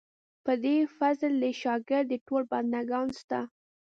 په دې فضل دې شاګر دي ټول بندګان ستا.